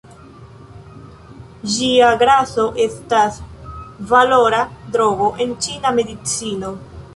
Ĝia graso estas valora drogo en ĉina medicino.